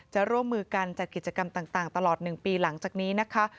จะร่วมมือกันจัดกิจกรรมต่างตลอด๑ปีหลังจากนี้นะคะ